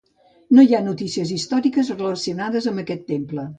No hi ha notícies històriques relacionades amb aquest temple.